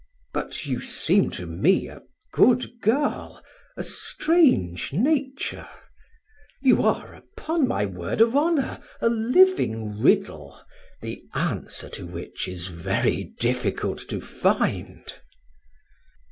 "But you seem to me a good girl, a strange nature; you are, upon my word of honor, a living riddle, the answer to which is very difficult to find."